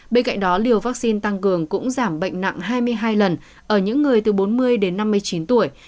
bên cạnh đó liều vaccine tăng cường cũng giảm bệnh nặng hai mươi hai lần ở những người từ bốn mươi đến năm mươi chín tuổi